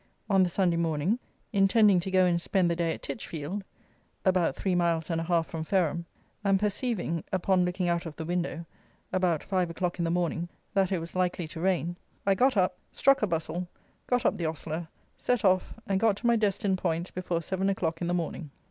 On the Sunday morning, intending to go and spend the day at Titchfield (about three miles and a half from Fareham), and perceiving, upon looking out of the window, about 5 o'clock in the morning, that it was likely to rain, I got up, struck a bustle, got up the ostler, set off and got to my destined point before 7 o'clock in the morning.